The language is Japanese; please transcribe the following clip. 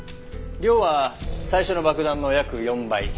量は最初の爆弾の約４倍。